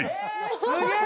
すげえ！